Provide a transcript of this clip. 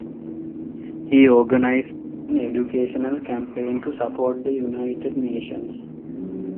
He organized an educational campaign to support the United Nations.